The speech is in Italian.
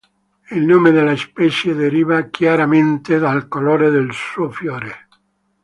Il nome della specie deriva chiaramente dal colore del suo fiore.